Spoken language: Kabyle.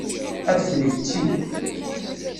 Adfel ifetti.